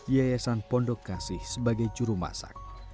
yayasan pondok kasih sebagai juru masak